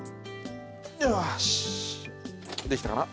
よしできたかな？